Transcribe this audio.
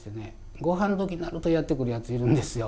ごはん時になるとやって来るやついるんですよ。